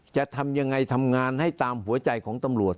จะทำยังไงทำงานให้ตามหัวใจของตำรวจ